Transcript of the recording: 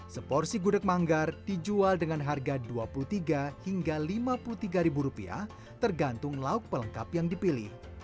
seporsi gudeg manggar dijual dengan harga rp dua puluh tiga hingga rp lima puluh tiga tergantung lauk pelengkap yang dipilih